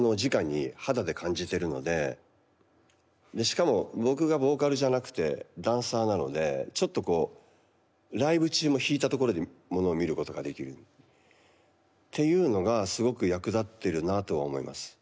でしかも僕がボーカルじゃなくてダンサーなのでちょっとこうライブ中も引いたところでものを見ることができるっていうのがすごく役立ってるなとは思います。